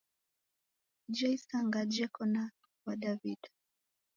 Ijo isanga jeko ja kiw'ada?